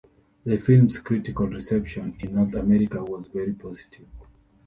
The film's critical reception in North America was very positive.